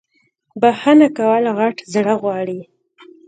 بخښنه کول غت زړه غواړی